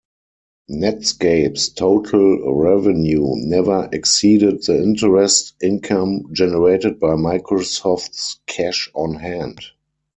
Netscape's total revenue never exceeded the interest income generated by Microsoft's cash on hand.